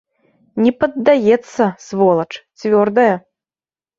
Не паддаецца, сволач, цвёрдая.